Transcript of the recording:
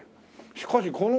しかしこの。